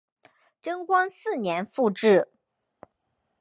贞观四年复置。